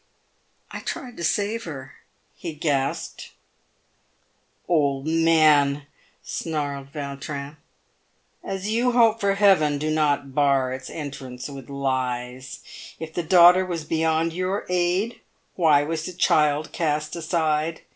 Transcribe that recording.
" I tried to save her," he gasped. " Old man," snarled Yautrin, "as you hope for heaven, do not bar its entrance with lies. If the daughter was beyond your aid, why was the child cast aside